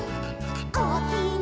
おおきな